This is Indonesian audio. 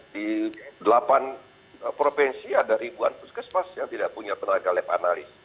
di delapan provinsi ada ribuan puskesmas yang tidak punya tenaga lab analis